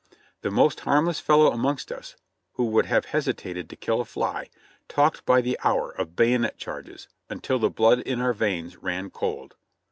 The most harmless fellow amongst us, who would have hesitated to kill a fly, talked by the hour of bayonet charges, until the blood in our veins ran cold.